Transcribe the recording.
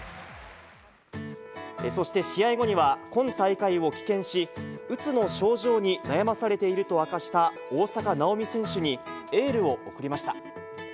そして、試合後には、今大会を棄権し、うつの症状に悩まされていると明かした大坂なおみ選手にエールを送りました。